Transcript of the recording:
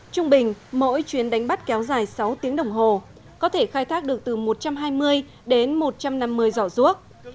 trung bình mỗi chuyến đánh bắt kéo dài sáu tiếng đồng hồ có thể khai thác được từ một trăm hai mươi đến một trăm năm mươi giỏ ruốc